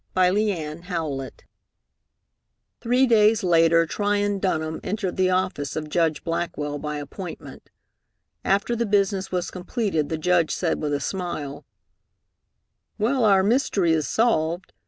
VII Three days later Tryon Dunham entered the office of Judge Blackwell by appointment. After the business was completed the Judge said with a smile, "Well, our mystery is solved.